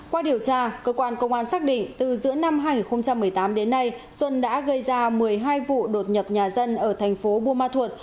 qua điều tra cơ quan công an xác định từ giữa năm hai nghìn một mươi tám đến nay xuân đã gây ra một mươi hai vụ đột nhập nhà dân ở thành phố buôn ma thuột